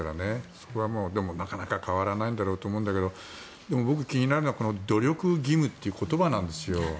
そこはでもなかなか変わらないんだろうと思うんだけどでも僕気になるのはこの努力義務という言葉なんです